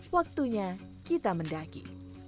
waktunya kita mendaki